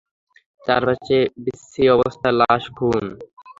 চারপাশে বিশ্রী অবস্থা, লাশ-খুন!